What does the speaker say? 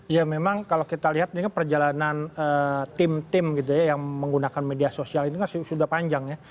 ya memang kalau kita lihat ini kan perjalanan tim tim gitu ya yang menggunakan media sosial ini kan sudah panjang ya